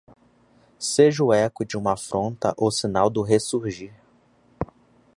Seja o eco de uma afronta o sinal do ressurgir